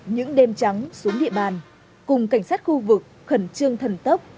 những đêm trắng xuống địa bàn cùng cảnh sát khu vực khẩn trương thần tốc